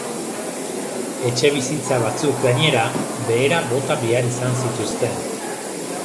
Etxebizitza batzuk gainera, behera bota behar izan zituzten.